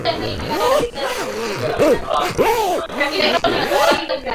Mto Mavuji wenye kilometa za mraba elfu tano mia sita